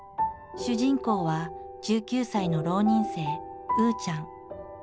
主人公は１９歳の浪人生うーちゃん。